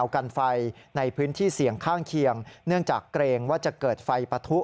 ข้างเคียงเนื่องจากเกรงว่าจะเกิดไฟปะทุ